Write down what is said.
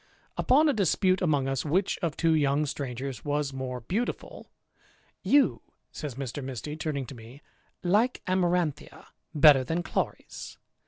Upon a dispute among us, which of two young strangers was more beauti ful, "You," says Mr. Misty, turning to me, "like Amar anthia better than Chloris.